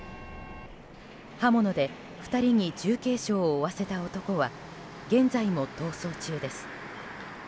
刃物で２人に重軽傷を負わせた男は現在も逃走中です。